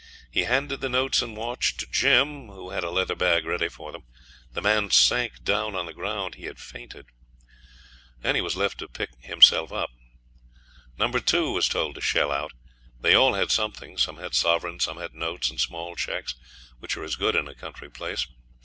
He handed the notes and watch to Jim, who had a leather bag ready for them. The man sank down on the ground; he had fainted. He was left to pick himself up. No. 2 was told to shell out. They all had something. Some had sovereigns, some had notes and small cheques, which are as good in a country place.